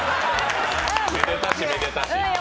めでたし、めでたし。